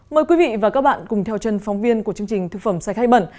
mời quý vị và các bạn cùng theo chân phóng viên của chương trình thực phẩm sạch khai bẩn